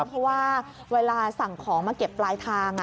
เพราะว่าเวลาสั่งของมาเก็บปลายทาง